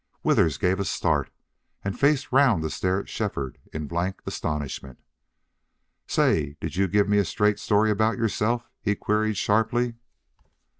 Withers gave a start and faced round to stare at Shefford in blank astonishment. "Say, did you give me a straight story about yourself?" he queried, sharply.